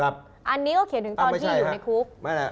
อันนี้ก็เขียนถึงตอนที่อยู่ในคุก